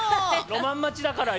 ロマン待ちだから今。